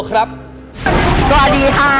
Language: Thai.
สวัสดีค่ะ